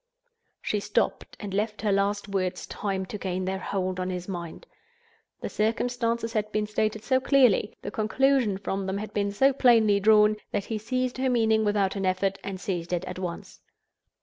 She stopped, and left her last words time to gain their hold on his mind. The circumstances had been stated so clearly, the conclusion from them had been so plainly drawn, that he seized her meaning without an effort, and seized it at once.